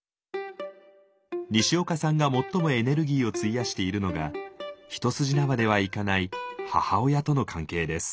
にしおかさんが最もエネルギーを費やしているのが一筋縄ではいかない母親との関係です。